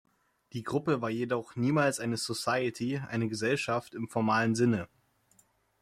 Die Gruppe war jedoch niemals eine "society", eine Gesellschaft, im formalen Sinne.